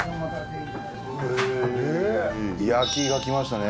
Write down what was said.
焼きがきましたね。